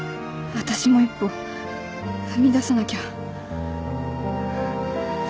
私も一歩踏み出さなきゃ。